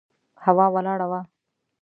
هوا ولاړه وه.